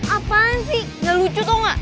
apaan sih gak lucu tau gak